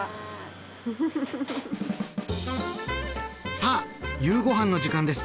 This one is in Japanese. さあ夕ご飯の時間です！